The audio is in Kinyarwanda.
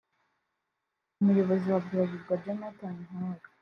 Umuyobozi wa Bralirwa Jonathan Hall